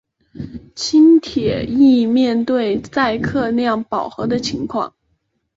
轻铁亦面对载客量饱和的情况。